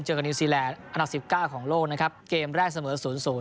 เจอกับนิวซีแลนด์อันดับสิบเก้าของโลกนะครับเกมแรกเสมอศูนย์ศูนย์